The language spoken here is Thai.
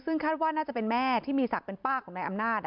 ซึ่งคาดว่าน่าจะเป็นแม่ที่มีศักดิ์เป็นป้าของนายอำนาจ